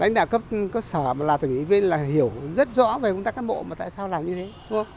lãnh đạo cấp có sở mà là thủy viên là hiểu rất rõ về người ta cán bộ mà tại sao làm như thế